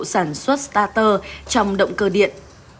sản xuất starter trong động cơ điện